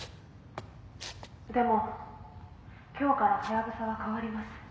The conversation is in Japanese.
「でも今日からハヤブサは変わります」